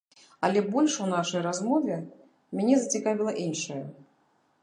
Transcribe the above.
Але больш у нашай размове мяне зацікавіла іншае.